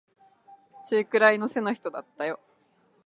中くらいの背の人だったよ。